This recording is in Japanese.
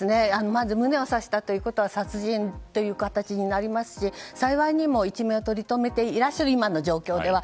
まず胸を刺したということは殺人という形になりますし幸いにも一命をとりとめていらっしゃる今の状況では。